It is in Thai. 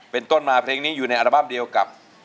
เป็นต้นมาเพลงนี้อยู่ในอัลบั้มเดียวกับ